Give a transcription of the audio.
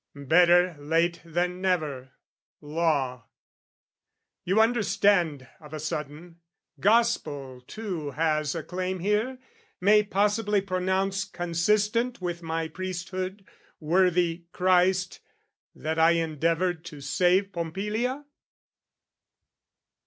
Better late than never, law! You understand of a sudden, gospel too Has a claim here, may possibly pronounce Consistent with my priesthood, worthy Christ, That I endeavoured to save Pompilia?